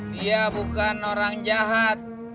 dia bukan orang jahat